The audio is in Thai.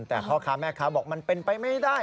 แต่พ่อค้าแม่ค้าบอกมันเป็นไปไม่ได้